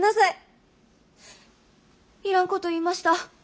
いらんこと言いました。